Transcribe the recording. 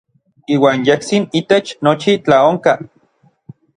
Iuan yejtsin itech nochi tlaonkaj.